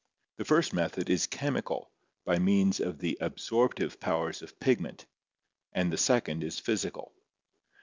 The first method is chemical, by means of the absorptive powers of pigment, and the second is physical.